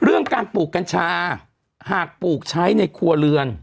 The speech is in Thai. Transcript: เรื่องการปลูกกัญชาหากปลูกใช้ในครัวเรือน